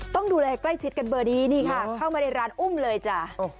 ต้องดูแลใกล้ชิดกันเบอร์นี้นี่ค่ะเข้ามาในร้านอุ้มเลยจ้ะ